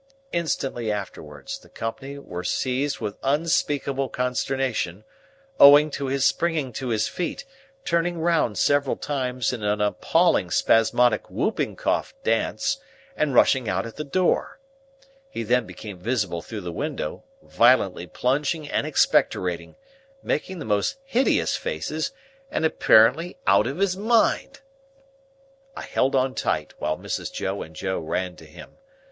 Instantly afterwards, the company were seized with unspeakable consternation, owing to his springing to his feet, turning round several times in an appalling spasmodic whooping cough dance, and rushing out at the door; he then became visible through the window, violently plunging and expectorating, making the most hideous faces, and apparently out of his mind. I held on tight, while Mrs. Joe and Joe ran to him.